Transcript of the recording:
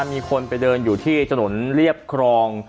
มีคนไปเดินอยู่ที่ถนนเรียบครอง